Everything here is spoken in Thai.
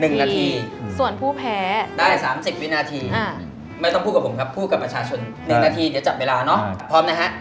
๑นาทีเดี๋ยวจับเวลาเนอะพร้อมนะฮะ